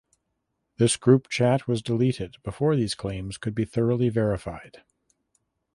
This group chat was deleted before these claims could be thoroughly verified.